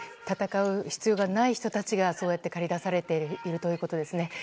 戦う必要がない人たちがそうやって駆り出されているということですね。